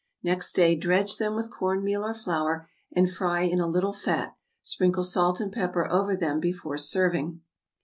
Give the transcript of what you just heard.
Next day dredge them with corn meal or flour, and fry in a little fat; sprinkle salt and pepper over them before serving.